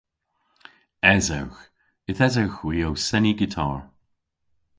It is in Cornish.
Esewgh. Yth esewgh hwi ow seni gitar.